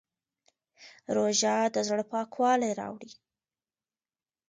روژه د زړه پاکوالی راوړي.